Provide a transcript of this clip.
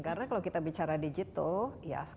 karena kalau kita bicara digital